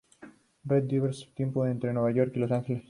Reed divide su tiempo entre Nueva York y Los Ángeles.